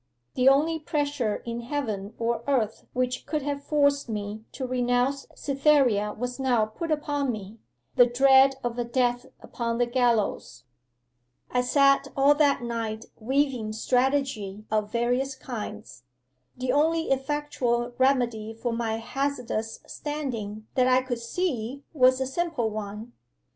The only pressure in heaven or earth which could have forced me to renounce Cytherea was now put upon me the dread of a death upon the gallows. 'I sat all that night weaving strategy of various kinds. The only effectual remedy for my hazardous standing that I could see was a simple one.